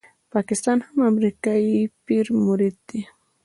پاکستان هم د امریکایي پیر مرید دی.